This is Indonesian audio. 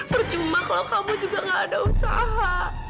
percuma kalau kamu juga gak ada usaha